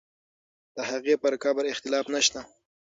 د هغې پر قبر اختلاف نه شته.